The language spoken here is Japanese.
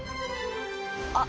あっ。